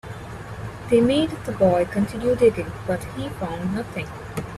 They made the boy continue digging, but he found nothing.